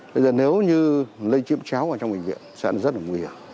bây giờ nếu như lây chiếm cháo ở trong bệnh viện sẽ rất là nguy hiểm